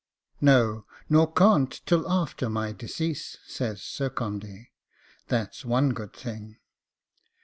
'No, nor can't till after my decease,' says Sir Condy; 'that's one good thing.